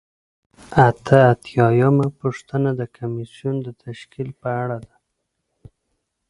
اته اتیا یمه پوښتنه د کمیسیون د تشکیل په اړه ده.